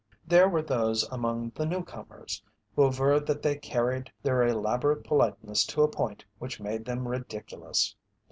There were those among the "newcomers" who averred that they carried their elaborate politeness to a point which made them ridiculous.